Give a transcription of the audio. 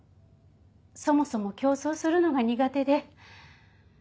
そもそも競争するのが苦手で。